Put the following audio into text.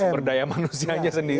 sumber daya manusianya sendiri